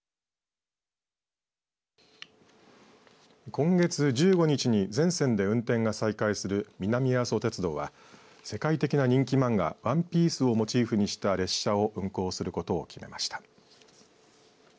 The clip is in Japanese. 今月１５日に全線で運転が再開する南阿蘇鉄道は世界的な人気漫画ＯＮＥＰＩＥＣＥをモチーフにした列車を運行することを決めました。